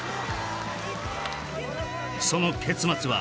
その結末は